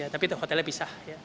tapi itu hotelnya pisah